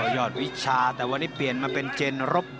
วิชาแต่วันนี้เปลี่ยนมาเป็นเจนรบ